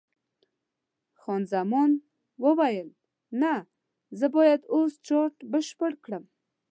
خان زمان وویل: نه، زه باید اوس چارټ بشپړ کړم.